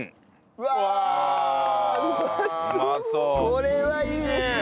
これはいいですね。